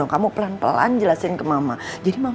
aku gak punya harapan lagi sama putri ma